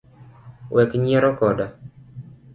Wek nyiero koda